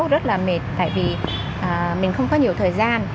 rất là mệt tại vì mình không có nhiều thời gian